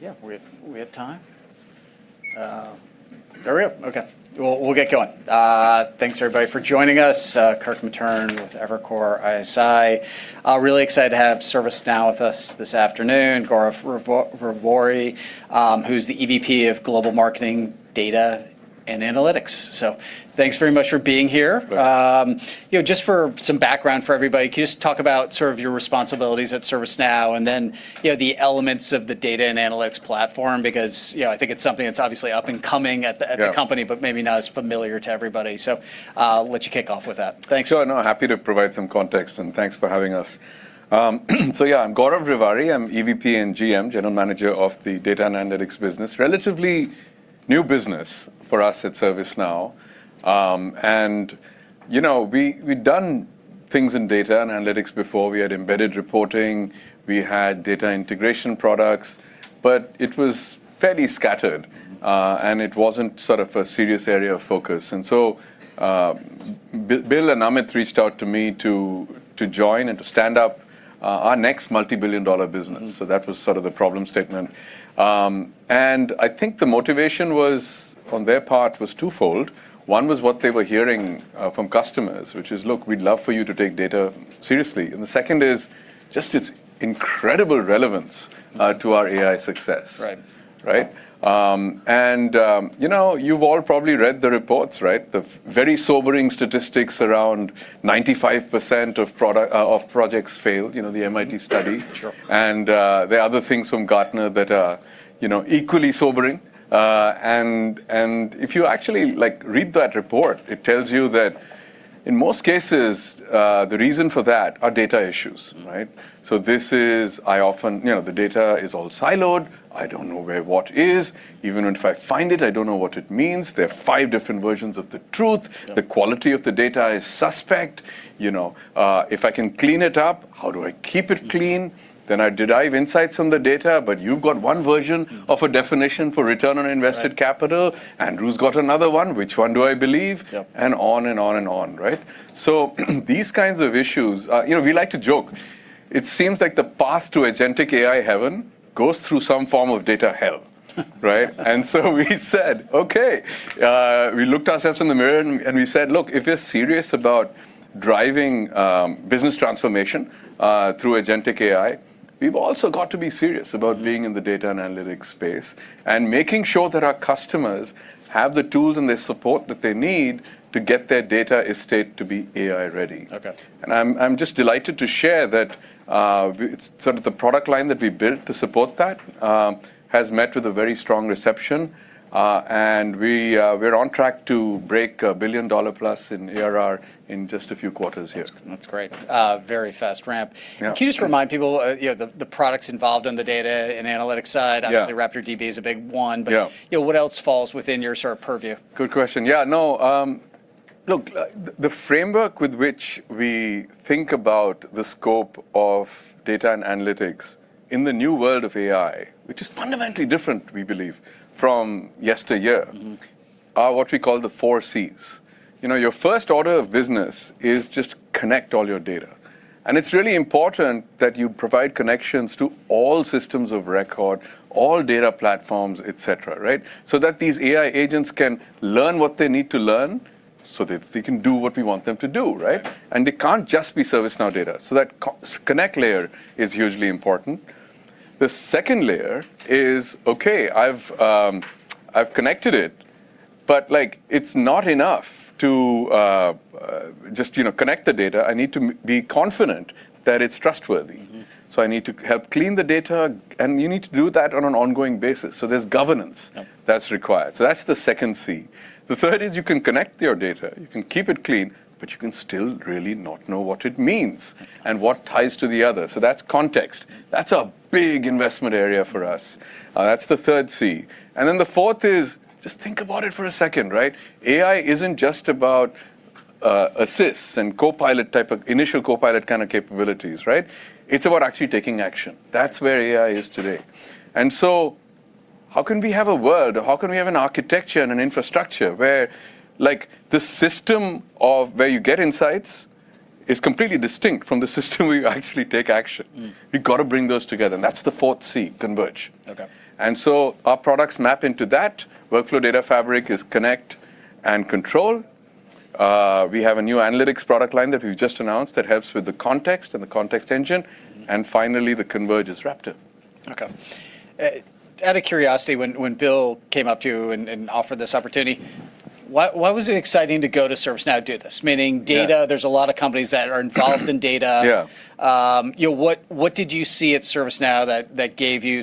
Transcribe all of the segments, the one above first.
Yeah, we have time? Hurry up. We'll get going. Thanks everybody for joining us. Kirk Materne with Evercore ISI. Really excited to have ServiceNow with us this afternoon. Gaurav Rewari, who's the EVP of Global Marketing, Data, and Analytics. Thanks very much for being here. Of course. Just for some background for everybody, can you just talk about your responsibilities at ServiceNow and then the elements of the data and analytics platform because I think it's something that's obviously up and coming. Yeah the company, but maybe not as familiar to everybody. I'll let you kick off with that. Thanks. Sure. No, happy to provide some context and thanks for having us. Yeah, I'm Gaurav Rewari. I'm EVP and GM, General Manager of the data and analytics business. Relatively new business for us at ServiceNow. We'd done things in data and analytics before. We had embedded reporting, we had data integration products, but it was fairly scattered, and it wasn't a serious area of focus. Bill and Amit reached out to me to join and to stand up our next multibillion-dollar business. That was the problem statement. I think the motivation on their part was twofold. One was what they were hearing from customers, which is, Look, we'd love for you to take data seriously. The second is just its incredible relevance to our AI success. Right. Right? You've all probably read the reports, right? The very sobering statistics around 95% of projects fail, according to the MIT study. Sure. There are other things from Gartner that are equally sobering. If you actually read that report, it tells you that in most cases, the reason for that is data issues, right? The data is all siloed. I don't know where it is. Even if I find it, I don't know what it means. There are five different versions of the truth. Yeah. The quality of the data is suspect. If I can clean it up, how do I keep it clean? I derive insights from the data, but you've got one version of a definition for return on invested capital. Right. Andrew's got another one. Which one do I believe? Yep. On and on and on, right? These kinds of issues, we like to joke about. It seems like the path to agentic AI heaven goes through some form of data hell. Right? We said, okay. We looked at ourselves in the mirror and we said, look, if we're serious about driving business transformation through agentic AI, we've also got to be serious about being in the data and analytics space and making sure that our customers have the tools and the support that they need to get their data estate to be AI ready. Okay. I'm just delighted to share that the product line that we built to support that has met with a very strong reception, and we're on track to break a billion dollars plus in ARR in just a few quarters here. That's great. Very fast ramp. Yeah. Can you just remind people of the products involved in the data and analytics side? Yeah. Obviously, RaptorDB is a big one. Yeah What else falls within your purview? Good question. Yeah. Look, the framework with which we think about the scope of data and analytics in the new world of AI, which is fundamentally different, we believe, from yesteryear. are what we call the 4Cs. Your first order of business is just connecting all your data. it's really important that you provide connections to all systems of record, all data platforms, et cetera, right? that these AI agents can learn what they need to learn so they can do what we want them to do, right? Yeah. They can't just be ServiceNow data. That connect layer is hugely important. The second layer is, okay, I've connected it, but it's not enough to just connect the data. I need to be confident that it's trustworthy. I need to help clean the data, and you need to do that on an ongoing basis. There's governance— Yep that's required. that's the second C. The third is you can connect your data, you can keep it clean, but you can still really not know what it means and what ties to the other. that's context. That's a big investment area for us. That's the third C. the fourth is, just think about it for a second, right? AI isn't just about assists and initial copilot-kind of capabilities, right? It's about actually taking action. That's where AI is today. how can we have a world, or how can we have an architecture and an infrastructure where the system of where you get insights is completely distinct from the system where you actually take action? We've got to bring those together, and that's the fourth C, converge. Okay. Our products map into that. Workflow Data Fabric is connected and controlled. We have a new analytics product line that we've just announced that helps with the context and the context engine. The convergence is Raptor. Okay. Out of curiosity, when Bill came up to you and offered this opportunity, why was it exciting to go to ServiceNow to do this? Meaning data- Yeah there's a lot of companies that are involved in data. Yeah. What did you see at ServiceNow that gave you,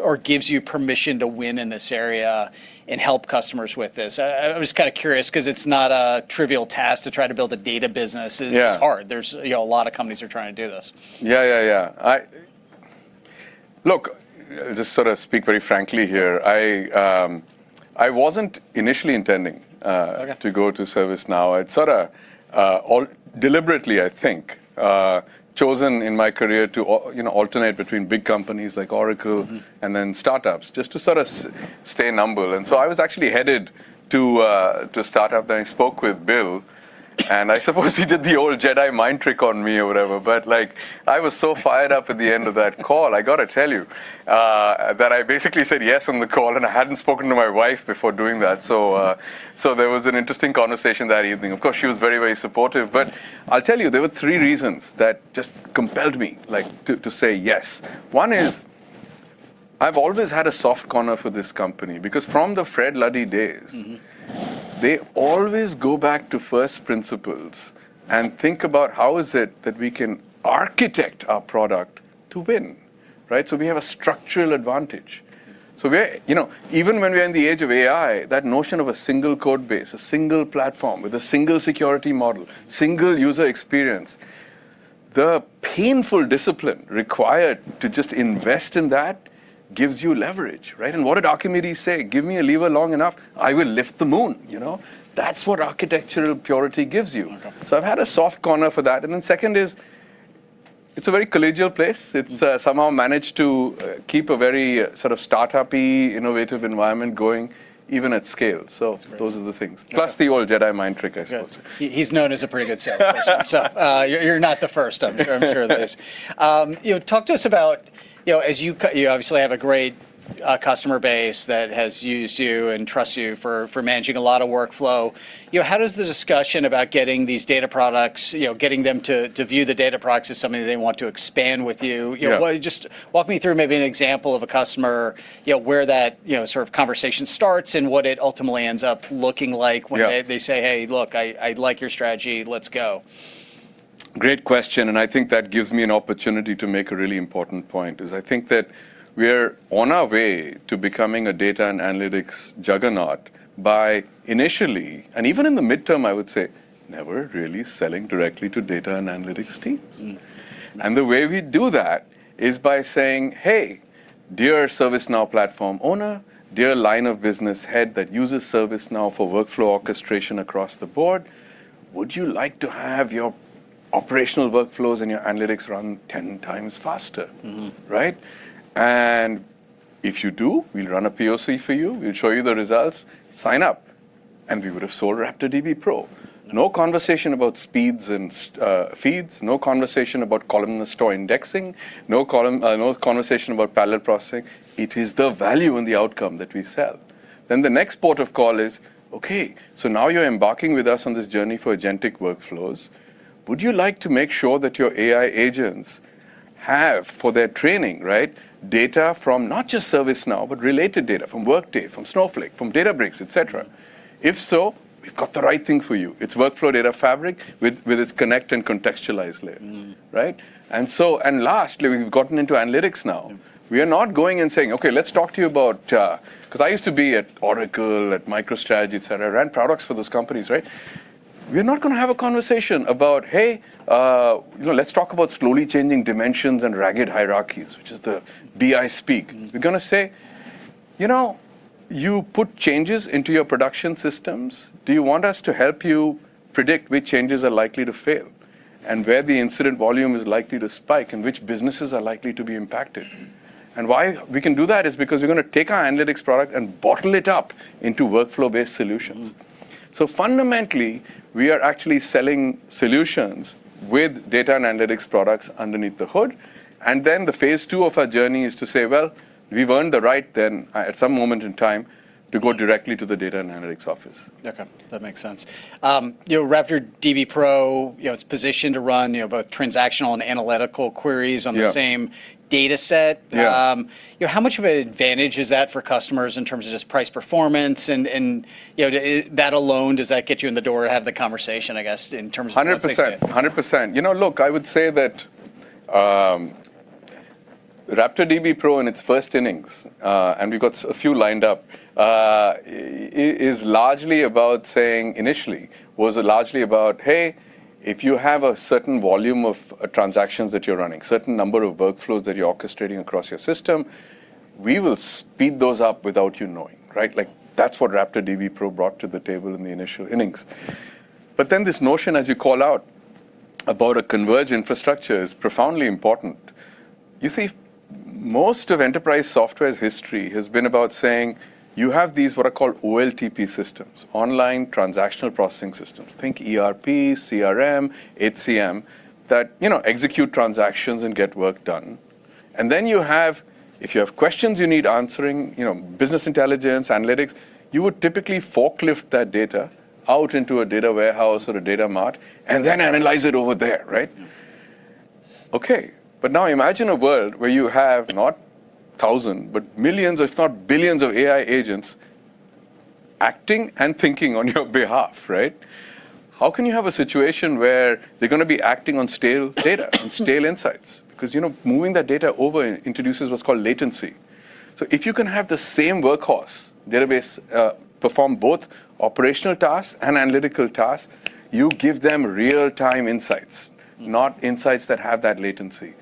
or gives you, permission to win in this area and help customers with this? I was curious because it's not a trivial task to try to build a data business. Yeah. It's hard. A lot of companies are trying to do this. Yeah. Look, just speak very frankly here. I wasn't initially intending— Okay to go to ServiceNow. I'd sort of deliberately, I think, chosen in my career to alternate between big companies like Oracle. startups, just to stay humble. I was actually headed to a startup, then I spoke with Bill, and I suppose he did the old Jedi mind trick on me or whatever. I was so fired up at the end of that call, I got to tell you, that I basically said yes on the call. I hadn't spoken to my wife before doing that. There was an interesting conversation that evening. Of course, she was very, very supportive. I'll tell you, there were three reasons that just compelled me to say yes. One is I've always had a soft spot for this company because from the Fred Luddy days— they always go back to first principles and think about how is it that we can architect our product to win, right? we have a structural advantage. Even when we are in the age of AI, that notion of a single codebase, a single platform with a single security model, a single user experience, and the painful discipline required to just invest in that gives you leverage, right? what did Archimedes say? Give me a lever long enough, and I will lift the moon." That's what architectural purity gives you. Okay. I've had a soft corner for that. Second is it's a very collegial place. It's somehow managed to keep a very sort of startup-y, innovative environment going even at scale. That's amazing those are the things. Plus the old Jedi mind trick, I suppose. Good. He's known as a pretty good salesperson. You're not the first; I'm sure there is. You obviously have a great customer base that has used you and trusts you for managing a lot of workflow. How does the discussion about getting these data products, getting them to view the data products as something that they want to expand with you— Yeah just walk me through maybe an example of a customer, where that sort of conversation starts and what it ultimately ends up looking like when Yeah they say, "Hey, look, I like your strategy. Let's go. Great question. I think that gives me an opportunity to make a really important point: I think that we're on our way to becoming a data and analytics juggernaut by initially, and even in the midterm, I would say, never really selling directly to data and analytics teams. The way we do that is by saying, Hey, dear ServiceNow platform owner, dear line of business head that uses ServiceNow for workflow orchestration across the board, would you like to have your operational workflows and your analytics run 10x faster? Right? If you do, we'll run a POC for you. We'll show you the results. Sign up." we would've sold RaptorDB Pro. No conversation about speeds and feeds, no conversation about column store indexing, no conversation about parallel processing. It is the value and the outcome that we sell. the next port of call is, Okay, so now you're embarking with us on this journey for agentic workflows. Would you like to make sure that your AI agents have, for their training, data from not just ServiceNow but also related data from Workday, from Snowflake, from Databricks, et cetera? If so, we've got the right thing for you. It's Workflow Data Fabric with its Connect and contextualize layer. Right? lastly, we've gotten into analytics now. We are not going and saying, "Okay, let's talk to you about it Because I used to be at Oracle, at MicroStrategy, et cetera, ran products for those companies. We're not going to have a conversation about, "Hey, let's talk about slowly changing dimensions and ragged hierarchies," which is the BI speak. We're going to say, "You put changes into your production systems. Do you want us to help you predict which changes are likely to fail, and where the incident volume is likely to spike, and which businesses are likely to be impacted?" Why we can do that is because we're going to take our analytics product and bottle it up into workflow-based solutions. Fundamentally, we are actually selling solutions with data and analytics products underneath the hood. The phase II of our journey is to say, Well, we've earned the right then, at some moment in time, to go directly to the data and analytics office. Okay, that makes sense. RaptorDB Pro is positioned to run both transactional and analytical queries on Yeah the same data set. Yeah. How much of an advantage is that for customers in terms of just price performance, and that alone, does that get you in the door to have the conversation, I guess, in terms of 100%. 100%. Look, I would say that RaptorDB Pro in its first innings, and we've got a few lined up, is largely about, Hey, if you have a certain volume of transactions that you're running or a certain number of workflows that you're orchestrating across your system, we will speed those up without you knowing. That's what RaptorDB Pro brought to the table in the initial innings. This notion, as you call out, about a converged infrastructure is profoundly important. You see, most of enterprise software's history has been about saying, you have these what are called OLTP systems, online transactional processing systems, think ERP, CRM, and HCM, that execute transactions and get work done. you have, if you have questions you need answered or business intelligence, analytics, you would typically forklift that data out into a data warehouse or a data mart and then analyze it over there, right? Okay. Now imagine a world where you have not thousands, but millions, if not billions, of AI agents acting and thinking on your behalf. How can you have a situation where they're going to be acting on stale data, on stale insights? Because moving that data over introduces what's called latency. If you can have the same workhorse database perform both operational tasks and analytical tasks, you give them real-time insights. not insights that have that latency.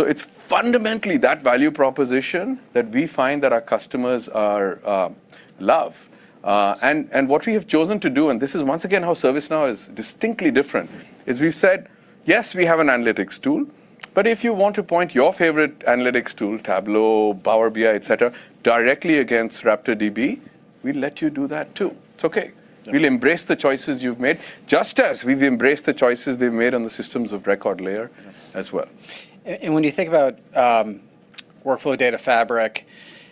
it's fundamentally that value proposition that we find that our customers love. what we have chosen to do, and this is once again how ServiceNow is distinctly different, is we've said, "Yes, we have an analytics tool, but if you want to point your favorite analytics tool, Tableau, Power BI, et cetera, directly against RaptorDB, we'll let you do that, too. It's okay. We'll embrace the choices you've made, just as we've embraced the choices they've made on the systems of record layer as well. When you think about Workflow Data Fabric,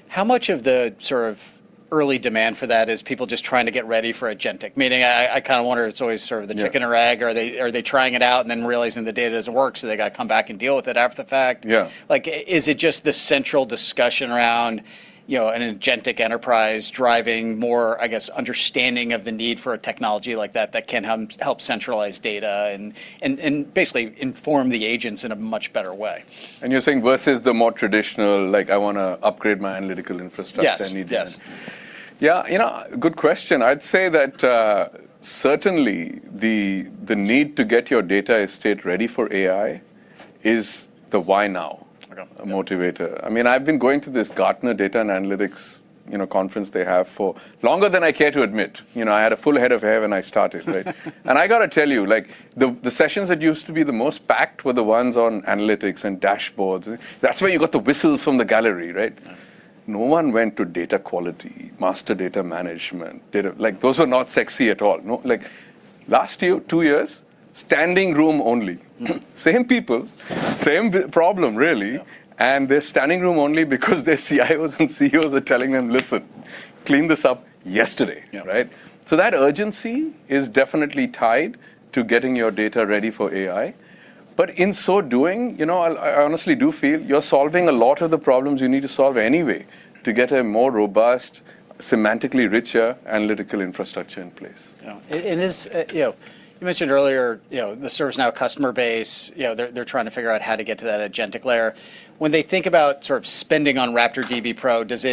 how much of the sort of early demand for that is people just trying to get ready for agentic? Meaning, I kind of wonder it's always sort of the- Yeah chicken or egg. Are they trying it out and then realizing the data doesn't work, so they have to come back and deal with it after the fact? Yeah. Is it just this central discussion around an agentic enterprise driving more, I guess, understanding of the need for a technology like that that can help centralize data and basically inform the agents in a much better way? you're saying versus the more traditional, like I want to upgrade my analytical infrastructure. Yes I need that. Yeah. Good question. I'd say that, certainly the need to get your data estate ready for AI is the why now— Okay, yeah motivator. I've been going to this Gartner Data and Analytics conference they have for longer than I care to admit. I had a full head of hair when I started, right? I got to tell you, the sessions that used to be the most packed were the ones on analytics and dashboards. That's where you got the whistles from the gallery, right? Yeah. No one went to data quality or master data management. Those were not sexy at all. Last two years, standing room only. Same people, same problem really Yeah they're standing room only because their CIOs and CEOs are telling them, "Listen, clean this up yesterday. Yeah. Right? That urgency is definitely tied to getting your data ready for AI. In so doing, I honestly do feel you're solving a lot of the problems you need to solve anyway to get a more robust, semantically richer analytical infrastructure in place. Yeah. You mentioned earlier the ServiceNow customer base; they're trying to figure out how to get to that agentic layer. When they think about spending on RaptorDB Pro, Is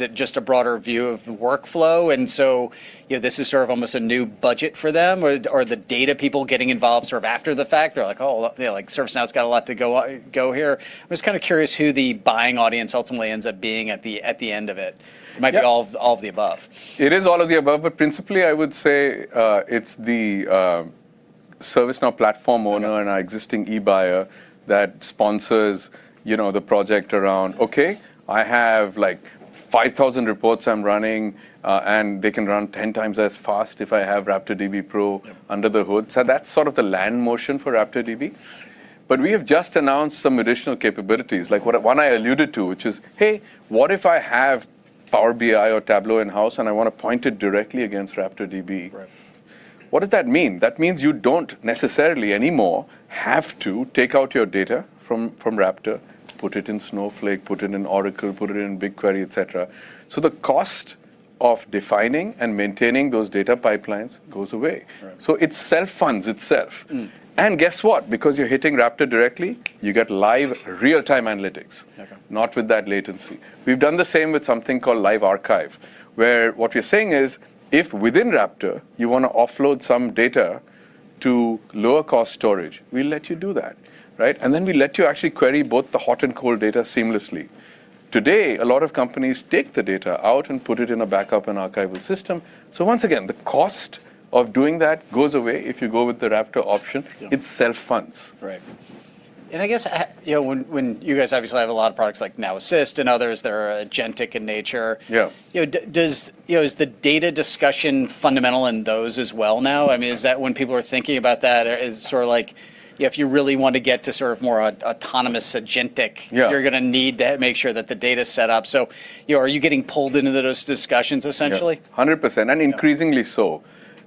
it just a broader view of the workflow, and so this is sort of almost a new budget for them? Are the data people getting involved sort of after the fact? They're like, Oh, ServiceNow's got a lot to go here. I'm just kind of curious who the buying audience ultimately ends up being at the end of it. Yeah. It might be all of the above. It is all of the above, but principally, I would say, it's the ServiceNow platform owner— Yeah our existing eBuyer that sponsors the project around, okay, I have 5,000 reports I'm running, and they can run 10x as fast if I have RaptorDB Pro— Yeah under the hood. That's sort of the land motion for RaptorDB. We have just announced some additional capabilities, like one I alluded to, which is, hey, what if I have Power BI or Tableau in-house and I want to point it directly against RaptorDB? Right. What does that mean? That means you don't necessarily anymore have to take out your data from Raptor, put it in Snowflake, put it in Oracle, put it in BigQuery, et cetera. The cost of defining and maintaining those data pipelines goes away. Right. It self-funds itself. Guess what? Because you're hitting Raptor directly, you get live, real-time analytics. Okay. Not with that latency. We've done the same with something called Live Archive, where what we're saying is, if within Raptor, you want to offload some data to lower-cost storage, we'll let you do that. Right? We let you actually query both the hot and cold data seamlessly. Today, a lot of companies take the data out and put it in a backup and archival system. Once again, the cost of doing that goes away if you go with the Raptor option. Yeah. It self-funds. Right. I guess, when you guys obviously have a lot of products like Now Assist and others that are agentic in nature— Yeah Is the data discussion fundamental in those as well now? Is that when people are thinking about that, is it sort of like, if you really want to get to sort of more autonomous agentic- Yeah you're going to need to make sure that the data's set up. are you getting pulled into those discussions, essentially? Yeah. 100%, and increasingly so.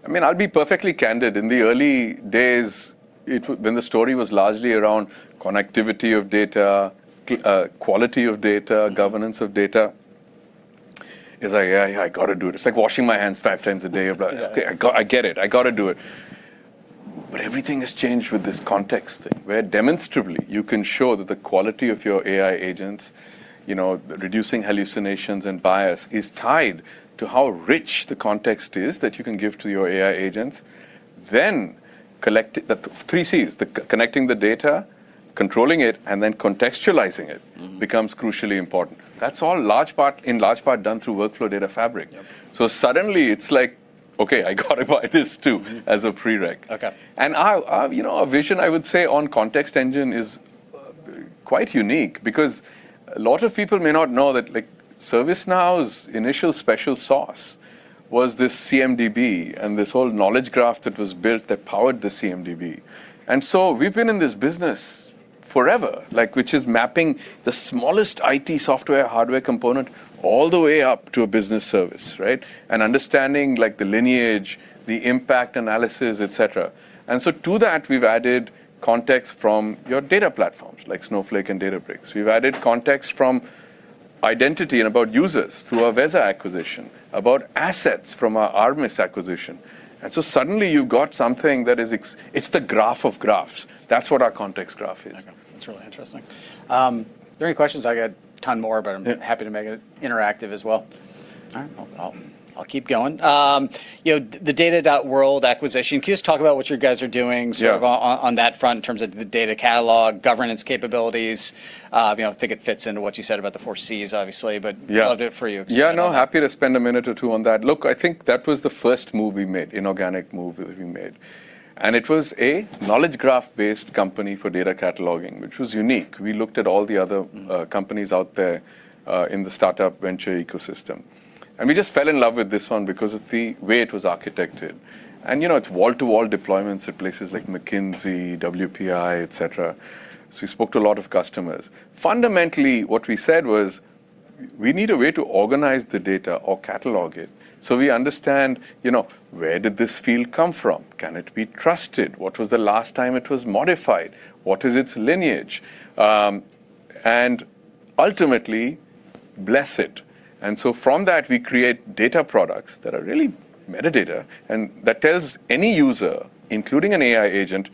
I'll be perfectly candid. In the early days, when the story was largely around connectivity of data, quality of data- governance of data is like, yeah, I got to do it. It's like washing my hands five times a day. Yeah. I get it. I got to do it. everything has changed with this context thing, where demonstratively, you can show that the quality of your AI agents, reducing hallucinations and bias, is tied to how rich the context is that you can give to your AI agents. collect the three Cs, the connecting the data, controlling it, and then contextualizing it. becomes crucially important. That's all in large part done through Workflow Data Fabric. Yep. suddenly it's like, okay, I got to buy this too as a prerequisite. Okay. Our vision, I would say, on Context Engine is quite unique because a lot of people may not know that ServiceNow's initial special sauce was this CMDB, and this whole knowledge graph that was built that powered the CMDB. We've been in this business forever, which is mapping the smallest IT software and hardware component all the way up to a business service, right? Understanding the lineage, the impact analysis, et cetera. To that, we've added context from your data platforms, like Snowflake and Databricks. We've added context from identity and about users through our Veza acquisition and about assets from our Armis acquisition. Suddenly you've got something that is. It's the graph of graphs. That's what our Context Graph is. Okay. That's really interesting. If there are any questions, I got a ton more, but I'm happy to make it interactive as well. All right. I'll keep going. The data.world acquisition, can you just talk about what you guys are doing sort of— Yeah on that front in terms of the data catalog, governance capabilities? I think it fits into what you said about the4Cs, obviously, but- Yeah love to hear it from you. Yeah, no. Happy to spend a minute or two on that. Look, I think that was the first move we made, an inorganic move that we made. It was a knowledge graph-based company for data cataloging, which was unique. We looked at all the other- companies out there in the startup venture ecosystem. we just fell in love with this one because of the way it was architected. it's wall-to-wall deployments at places like McKinsey, WPP, et cetera. we spoke to a lot of customers. Fundamentally, what we said was, "We need a way to organize the data or catalog it so we understand where this field came from. Can it be trusted? What was the last time it was modified? What is its lineage?" ultimately bless it. from that, we create data products that are really metadata, and that tells any user, including an AI agent,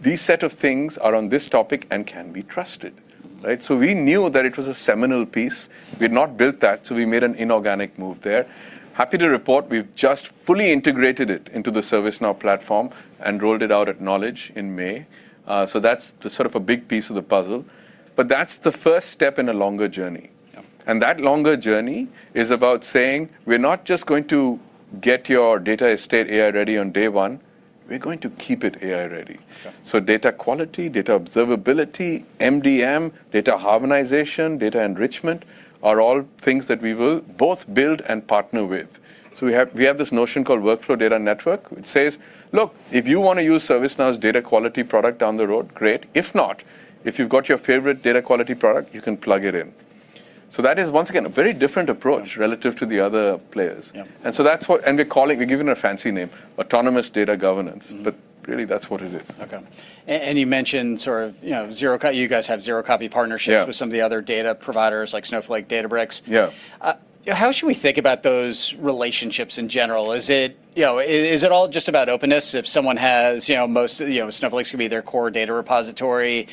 this set of things are on this topic and can be trusted. Right? we knew that it was a seminal piece. We had not built that, so we made an inorganic move there. Happy to report we've just fully integrated it into the ServiceNow Platform and rolled it out at Knowledge in May. That's sort of a big piece of the puzzle, but that's the first step in a longer journey. Yeah. That longer journey is about saying, We're not just going to get your data estate AI-ready on day one. We're going to keep it AI-ready. Yeah. Data quality, data observability, MDM, data harmonization, and data enrichment are all things that we will both build and partner with. We have this notion called Workflow Data Network, which says, Look, if you want to use ServiceNow's data quality product down the road, great. If not, if you've got your favorite data quality product, you can plug it in." That is, once again, a very different approach relative to the other players. Yeah. We're giving it a fancy name, autonomous data governance. Really that's what it is. Okay. you mentioned you guys have zero copy partnerships. Yeah with some of the other data providers, like Snowflake and Databricks. Yeah. How should we think about those relationships in general? Is it all just about openness? If someone has most of Snowflake, it's going to be their core data repository.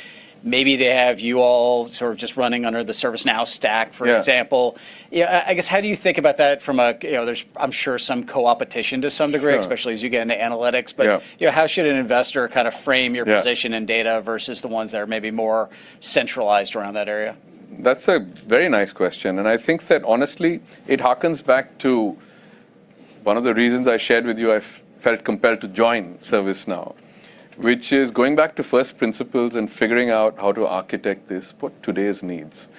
Maybe they have you all sort of just running under the ServiceNow stack, for example. Yeah. I guess, how do you think about that there's, I'm sure, some co-opetition to some degree— Sure especially as you get into analytics. Yeah. How should an investor kind of frame your- Yeah position in data versus the ones that are maybe more centralized around that area? That's a very nice question, and I think that honestly, it harkens back to one of the reasons I shared with you that I felt compelled to join ServiceNow, which is going back to first principles and figuring out how to architect this for today's needs.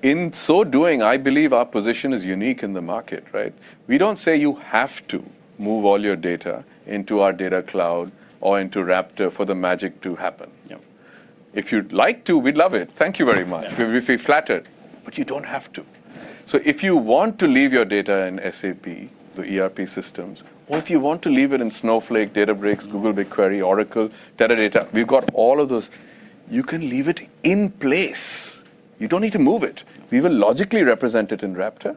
In so doing, I believe our position is unique in the market, right? We don't say you have to move all your data into our data cloud or into Raptor for the magic to happen. Yeah. If you'd like to, we'd love it. Thank you very much. Yeah. We'd be flattered. You don't have to. If you want to leave your data in SAP, the ERP systems, or if you want to leave it in Snowflake, Databricks, Google BigQuery, Oracle, or Teradata, we've got all of those. You can leave it in place. You don't need to move it. We will logically represent it in Raptor,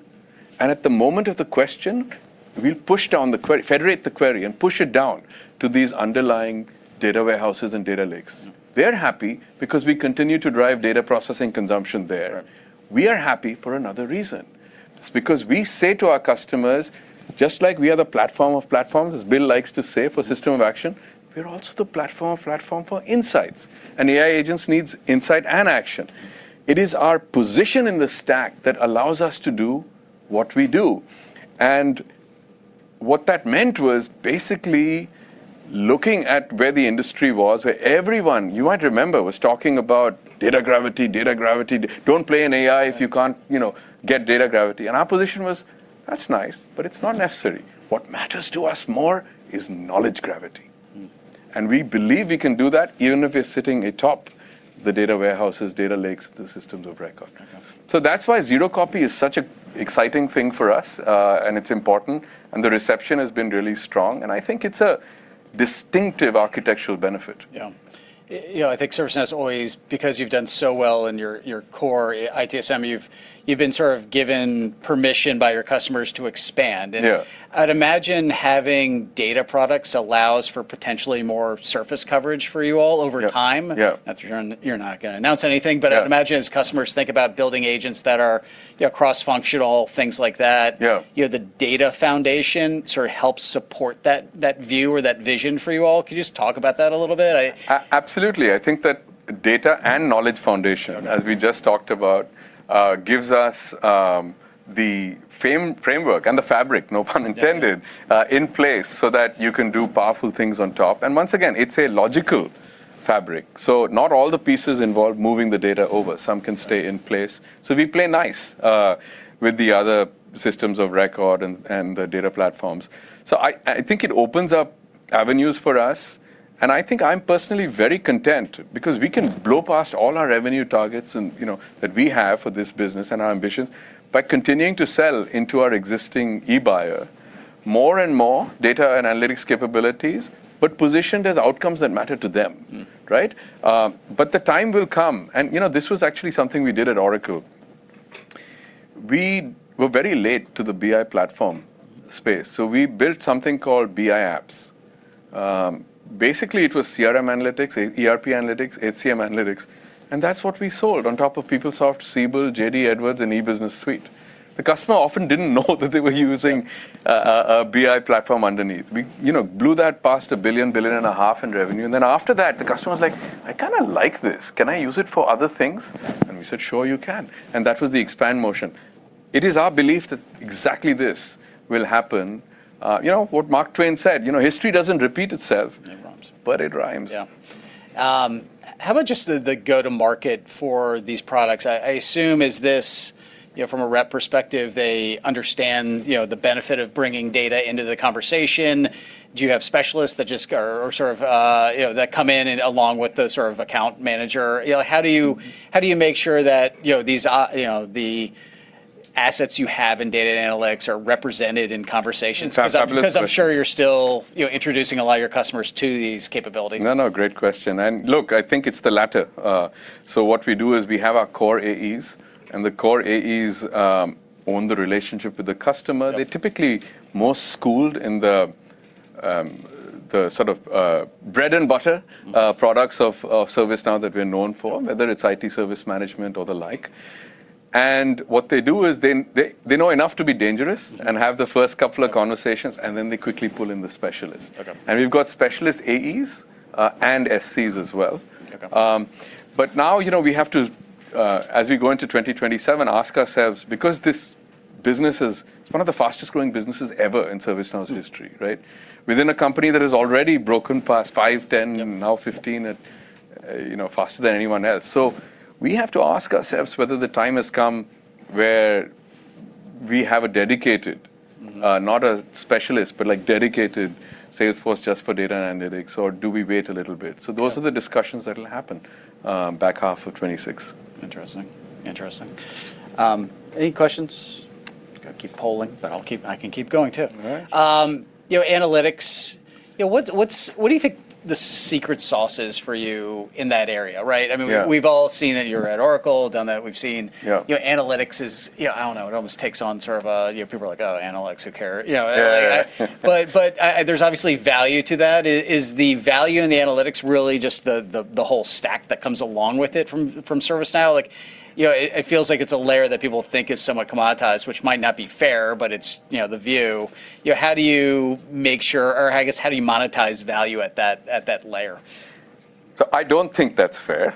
and at the moment of the question, we'll federate the query and push it down to these underlying data warehouses and data lakes. Yeah. They're happy because we continue to drive data processing consumption there. Right. We are happy for another reason. It's because we say to our customers, just like we are the platform of platforms, as Bill likes to say, for systems of action, we're also the platform of platforms for insights, and AI agents need insight and action. It is our position in the stack that allows us to do what we do. What that meant was basically looking at where the industry was, where everyone, you might remember, was talking about data gravity, data gravity; don't play in AI if you can't get data gravity. Our position was, That's nice, but it's not necessary. What matters to us more is knowledge gravity. We believe we can do that even if you're sitting atop the data warehouses, data lakes, and systems of record. Okay. that's why zero copy is such an exciting thing for us, and it's important, and the reception has been really strong, and I think it's a distinctive architectural benefit. Yeah. I think ServiceNow has always, because you've done so well in your core ITSM, you've been sort of given permission by your customers to expand. Yeah. I'd imagine having data products allows for potentially more surface coverage for you all over time. Yeah. You're not going to announce anything. Yeah I'd imagine as customers think about building agents that are cross-functional, things like that Yeah the data foundation sort of helps support that view or that vision for you all. Could you just talk about that a little bit? Absolutely. I think that data and knowledge foundation- Okay As we just talked about, gives us the framework and the fabric, no pun intended- Yeah in place so that you can do powerful things on top. Once again, it's a logical fabric. Not all the pieces involve moving the data over. Some can stay in place. We play nice with the other systems of record and the data platforms. I think it opens up avenues for us, and I think I'm personally very content because we can blow past all our revenue targets that we have for this business and our ambitions by continuing to sell into our existing IT buyer more and more data and analytics capabilities, but positioned as outcomes that matter to them. Right? The time will come, and this was actually something we did at Oracle. We were very late to the BI platform space, so we built something called BI Apps. Basically, it was CRM analytics, ERP analytics, HCM analytics, and that's what we sold on top of PeopleSoft, Siebel, JD Edwards, and E-Business Suite. The customer often didn't know that they were using- Yeah a BI platform underneath. We blew that past $1 billion, $1.5 billion in revenue, and then after that, the customer was like, "I kind of like this. Can I use it for other things?" We said, "Sure you can." That was the expand motion. It is our belief that exactly this will happen. What Mark Twain said, "History doesn't repeat itself. But it rhymes. Yeah. How about just the go-to market for these products? I assume is this, from a rep perspective, they understand the benefit of bringing data into the conversation. Do you have specialists that come in along with the account manager? How do you make sure that the assets you have in data and analytics are represented in conversations? It's a fabulous question. I'm sure you're still introducing a lot of your customers to these capabilities. No, no, great question. Look, I think it's the latter. What we do is we have our core AEs, and the core AEs own the relationship with the customer. They're typically more schooled in the sort of bread and butter products of ServiceNow that we're known for, whether it's IT service management or the like. What they do is they know enough to be dangerous and have the first couple of conversations, and then they quickly pull in the specialists. Okay. we've got specialist AEs and SCs as well. Okay. now, we have to, as we go into 2027, ask ourselves, because this business is one of the fastest-growing businesses ever in ServiceNow's history, right? Within a company that has already broken past five, 10, and now 15 at faster than anyone else. we have to ask ourselves whether the time has come where we have a dedicated, not a specialist, but dedicated sales force just for data analytics, or do we wait a little bit? those are the discussions that'll happen back half of 2026. Interesting. Any questions? I'll keep polling, but I can keep going, too. All right. Analytics. What do you think the secret sauce is for you in that area, right? Yeah. We've all seen it. You were at Oracle, done that. We've seen- Yeah analytics is, I don't know, it almost takes on sort of a. People are like, "Oh, analytics, who care? Yeah. there's obviously value to that. Is the value in the analytics really just the whole stack that comes along with it from ServiceNow? It feels like it's a layer that people think is somewhat commoditized, which might not be fair, but it's the view. How do you make sure, or I guess, how do you monetize value at that layer? I don't think that's fair.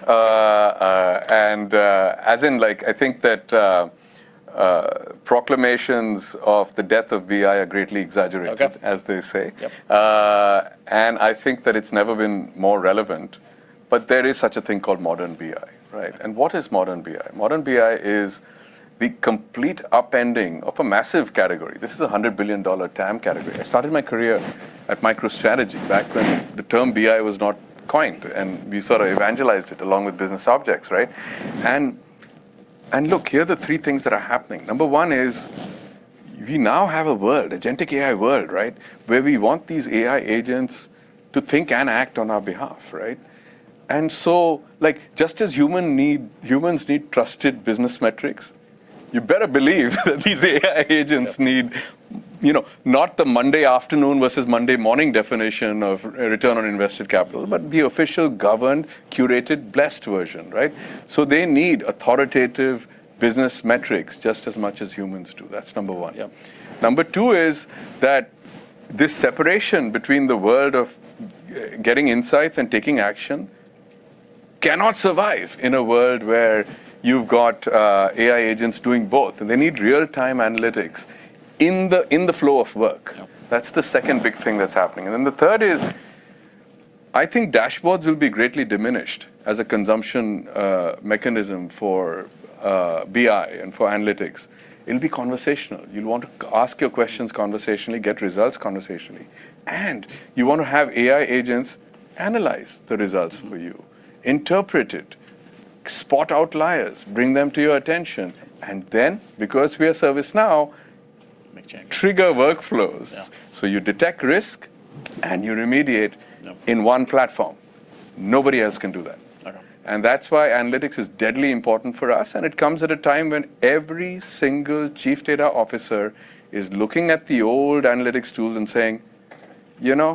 as in like, I think that proclamations of the death of BI are greatly exaggerated- Okay as they say. Yep. I think that it's never been more relevant, but there is such a thing called modern BI, right? What is modern BI? Modern BI is the complete upending of a massive category. This is a $100 billion TAM category. I started my career at MicroStrategy back when the term BI was not coined, and we sort of evangelized it along with Business Objects, right? Look, here are the three things that are happening. Number one is we now have a world, agentic AI world, right? Where we want these AI agents to think and act on our behalf, right? Just as humans need trusted business metrics, you better believe that these AI agents need not the Monday afternoon versus Monday morning definition of return on invested capital, but the official governed, curated, blessed version, right? They need authoritative business metrics just as much as humans do. That's number one. Yeah. Number two is that this separation between the world of getting insights and taking action cannot survive in a world where you've got AI agents doing both. They need real-time analytics in the flow of work. Yep. That's the second big thing that's happening. The third is, I think dashboards will be greatly diminished as a consumption mechanism for BI and for analytics. It'll be conversational. You'll want to ask your questions conversationally, get results conversationally. You want to have AI agents analyze the results for you, interpret it, spot outliers, bring them to your attention. Because we are ServiceNow- Make change trigger workflows. Yeah. you detect risk, and you remediate. Yep in one platform. Nobody else can do that. Okay. that's why analytics is deadly important for us, and it comes at a time when every single chief data officer is looking at the old analytics tools and saying, "You know,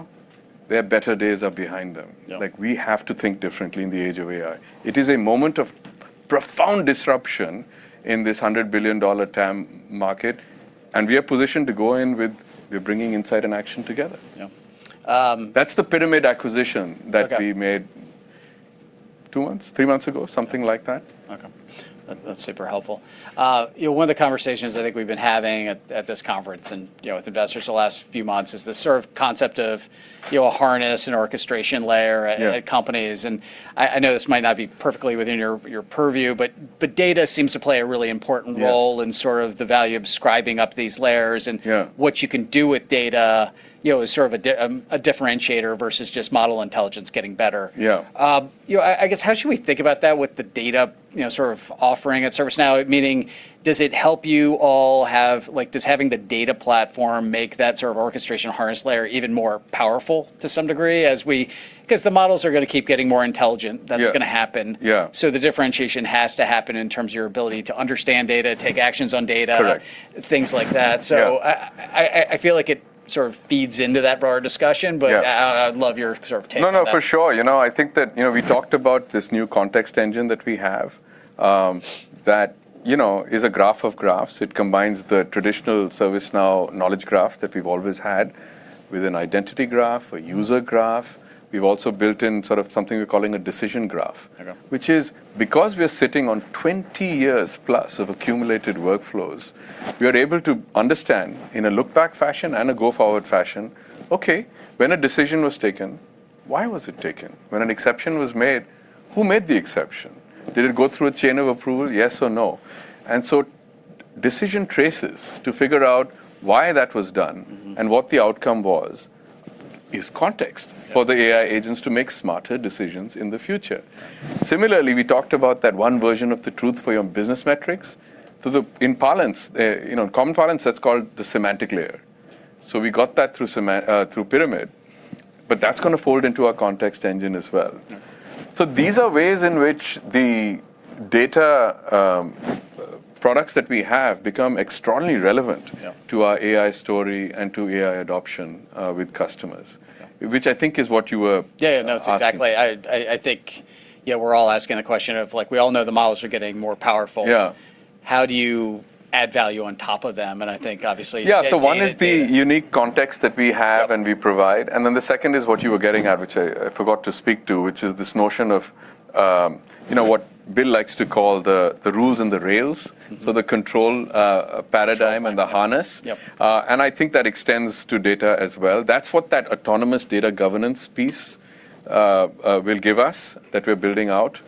their better days are behind them." Yeah. Like, we have to think differently in the age of AI. It is a moment of profound disruption in this $100 billion TAM market, and we are positioned to go in with bringing insight and action together. Yeah. That's the Pyramid acquisition that- Okay we made two months, three months ago, something like that. Okay. That's super helpful. One of the conversations I think we've been having at this conference and with investors the last few months is this sort of concept of a harness and orchestration layer at companies. Yeah. I know this might not be perfectly within your purview, but data seems to play a really important role- Yeah in sort of the value of structuring up these layers and Yeah what you can do with data as sort of a differentiator versus just model intelligence getting better. Yeah. I guess, how should we think about that with the data sort of offering at ServiceNow? Meaning, Does having the data platform make that sort of orchestration harness layer even more powerful to some degree? Because the models are going to keep getting more intelligent. Yeah. That's going to happen. Yeah. The differentiation has to happen in terms of your ability to understand data, take actions on data. Correct things like that. Yeah. I feel like it sort of feeds into that broader discussion, but- Yeah I'd love your sort of take on that. No, no, for sure. I think that we talked about this new Context Engine that we have, that is a graph of graphs. It combines the traditional ServiceNow knowledge graph that we've always had with an identity graph, a user graph. We've also built in sort of something we're calling a decision graph. Okay. Which is because we're sitting on 20 years plus of accumulated workflows, we are able to understand in a look-back fashion and a go-forward fashion, okay, when a decision was taken. Why was it taken? When an exception was made, who made the exception? Did it go through a chain of approval, yes or no? Decision traces to figure out why that was done. what the outcome was, is context- Yeah for the AI agents to make smarter decisions in the future. Similarly, we talked about that one version of the truth for your business metrics. In parlance, in common parlance, that's called the semantic layer. We got that through Pyramid, but that's going to fold into our Context Engine as well. Yeah. these are ways in which the data, products that we have become extraordinarily relevant- Yeah To our AI story and to AI adoption with customers. Okay. Which I think is what you were Yeah, no, it's exactly. I think, yeah, we're all asking a question of like, we all know the models are getting more powerful. Yeah. How do you add value on top of them? I think obviously- Yeah. One is the unique context that we have. Yeah We provide, and then the second is what you were getting at, which I forgot to speak to, which is this notion of, what Bill likes to call the rules and the rails. the control, paradigm and the harness. Yeah. I think that extends to data as well. That's what that autonomous data governance piece will give us that we're building out.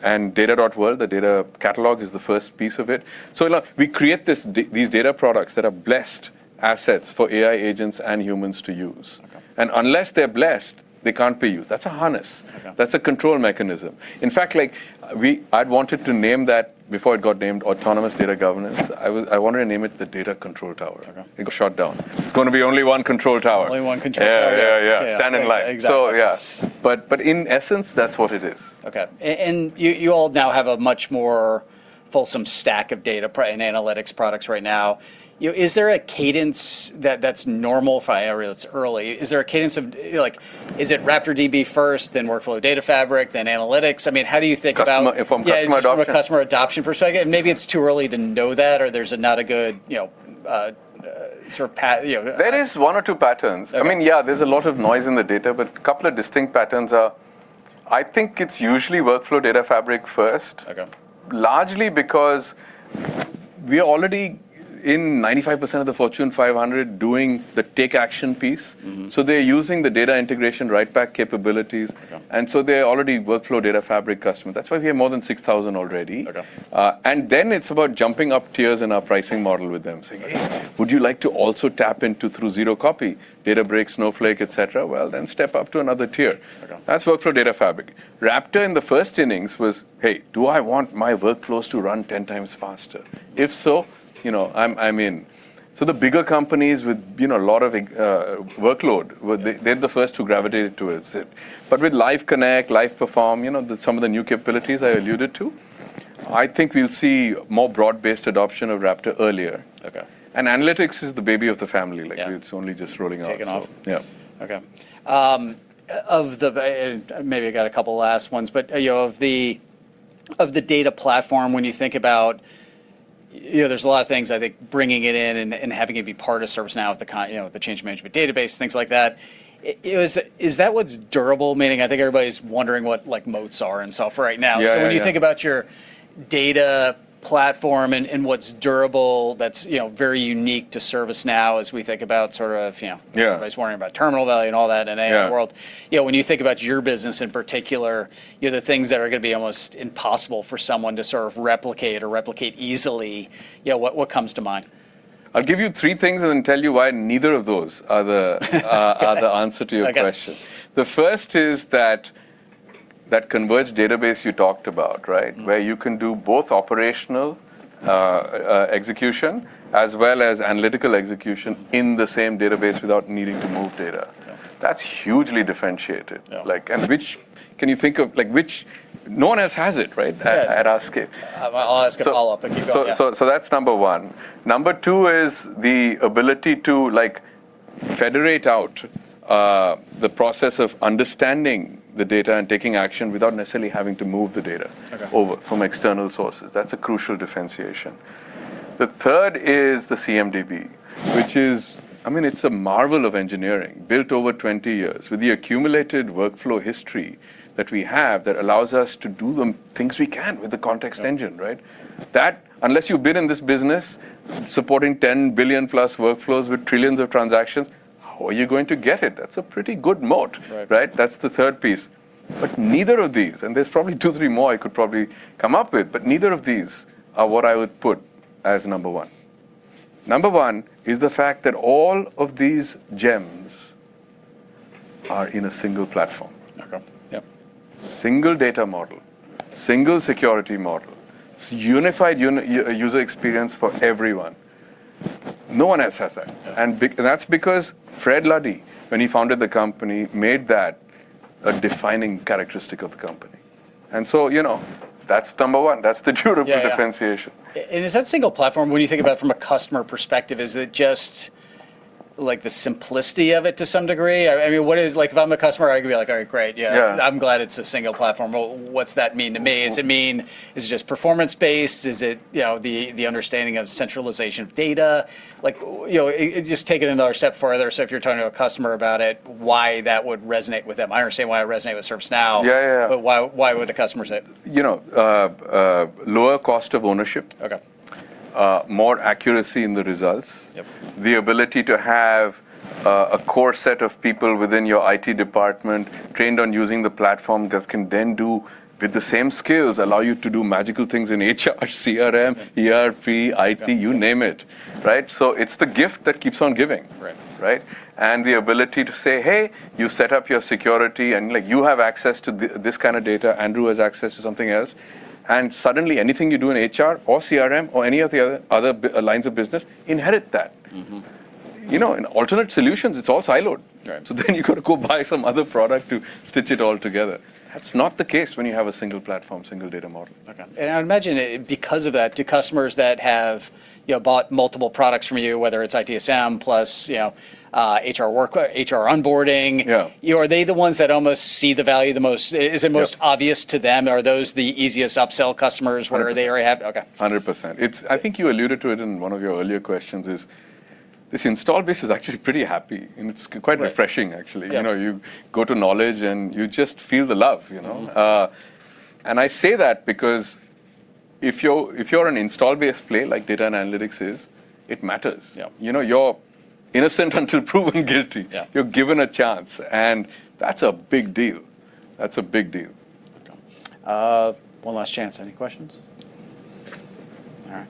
data.world, the data catalog, is the first piece of it. we create these data products that are blessed assets for AI agents and humans to use. Okay. unless they're blessed, they can't be used. That's a harness. Okay. That's a control mechanism. In fact, I'd wanted to name that, before it got named autonomous data governance, I wanted to name it the AI Control Tower. Okay. It got shot down. It's going to be only one control tower. Only one control tower. Yeah. Standard line. Exactly. Yes. in essence, that's what it is. Okay. You all now have a much more fulsome stack of data and analytics products right now. Is there a cadence that's normal for an area that's early? Is there a cadence of, like, RaptorDB first, then Workflow Data Fabric, then analytics? How do you think about Customer, from customer adoption yeah, from a customer adoption perspective. Maybe it's too early to know that, or there's not a good, sort of There are one or two patterns. Okay. I mean, yeah, there's a lot of noise in the data, but a couple of distinct patterns are I think it's usually Workflow Data Fabric first. Okay. Largely because we are already in 95% of the Fortune 500 doing the take-action piece. They're using the data integration write-back capabilities. Okay. They're already a Workflow Data Fabric customer. That's why we have more than 6,000 already. Okay. it's about jumping up tiers in our pricing model with them, saying, Would you like to also tap into zero-copy Databricks, Snowflake, et cetera? Well, then step up to another tier. Okay. That's Workflow Data Fabric. Raptor's first innings were, Hey, do I want my workflows to run 10x faster? If so, I'm in. The bigger companies with a lot of workloads are the first to gravitate towards it. With Live Connect and Live Perform, some of the new capabilities I alluded to, I think we'll see broader-based adoption of Raptor earlier. Okay. Analytics is the baby of the family. Yeah. It's only just rolling out. Taking off. Yeah. Okay. Maybe I got a couple last ones, but of the data platform, when you think about it, there's a lot of things, I think, bringing it in and having it be part of ServiceNow with the change management database, things like that. Is that what's durable? Meaning, I think everybody's wondering what moats are in software right now. Yeah. when you think about your data platform and what's durable, that's very unique to ServiceNow as we think about sort of— Yeah Everybody's wondering about terminal value and all that in the AI world. Yeah. When you think about your business in particular, what are the things that are going to be almost impossible for someone to sort of replicate or replicate easily, what comes to mind? I'll give you three things and then tell you why none of those are the answer to your question. Okay. The first is that converged database you talked about, where you can do both operational execution and analytical execution in the same database without needing to move data. Okay. That's hugely differentiated. Yeah. No one else has it at our scale. I'll ask a follow-up if you don't, yeah. that's number one. Number two is the ability to federate out, the process of understanding the data and taking action without necessarily having to move the data. Okay over from external sources. That's a crucial differentiation. The third is the CMDB, which is, I mean, a marvel of engineering, built over 20 years. With the accumulated workflow history that we have that allows us to do the things we can with the context engine. Yeah. That, unless you've been in this business supporting 10 billion+ workflows with trillions of transactions, how are you going to get it? That's a pretty good moat. Right. That's the third piece. Neither of these, and there are probably two or three more I could probably come up with, but neither of these is what I would put as number one. Number one is the fact that all of these gems are in a single platform. Okay. Yep. Single data model, single security model. It's a unified user experience for everyone. No one else has that. Yeah. that's because Fred Luddy, when he founded the company, made that a defining characteristic of the company. that's number one. That's the durable differentiation. Yeah. Is that single platform, when you think about it from a customer perspective, is it just the simplicity of it to some degree? I mean, what is if I'm a customer? I could be like, All right, great. Yeah. Yeah. I'm glad it's a single platform. Well, what's that mean to me? Does it mean it is just performance-based? Is it the understanding of centralization of data? Just take it another step further, so if you're talking to a customer about it, it will resonate with them. I understand why it resonates with ServiceNow. Yeah. Why would the customer say? Lower cost of ownership. Okay. More accuracy in the results. Yep. The ability to have a core set of people within your IT department trained on using the platform that can then do, with the same skills, allow you to do magical things in HR, CRM, ERP, IT, you name it. it's the gift that keeps on giving. Right. The ability to say, Hey, you set up your security, and you have access to this kind of data. Andrew has access to something else. Suddenly, anything you do in HR or CRM or any of the other lines of business inherits that. In alternate solutions, it's all siloed. Right. you got to go buy some other product to stitch it all together. That's not the case when you have a single platform and a single data model. Okay. I would imagine because of that, do customers that have bought multiple products from you, whether it's ITSM plus HR onboarding— Yeah are they the ones that almost see the value the most? Is it most obvious to them? Are those the easiest upsell customers? 100%. Okay. 100%. I think you alluded to it in one of your earlier questions is, this install base is actually pretty happy, and it's quite refreshing, actually. Yeah. You go to Knowledge and you just feel the love. I say that because if you're an install-based play, like data and analytics is, it matters. Yeah. You're innocent until proven guilty. Yeah. You're given a chance, and that's a big deal. That's a big deal. Okay. One last chance. Any questions? All right.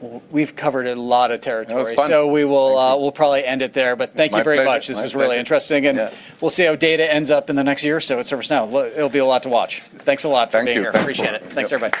Well, we've covered a lot of territory. No, it was fun. we will- Thank you probably end it there. Thank you very much. My pleasure. This was really interesting. Yeah. We'll see how data ends up in the next year or so at ServiceNow. It'll be a lot to watch. Thanks a lot for being here. Thank you. Appreciate it. Thanks, everybody